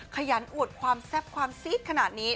ขยันอวดความแซ่บความซีดขนาดนี้